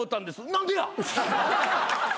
「何でや」